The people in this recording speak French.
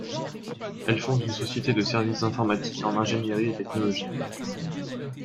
Elle fonde une société de services informatiques en ingénierie et technologie.